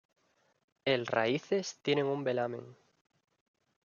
El raíces tienen un velamen.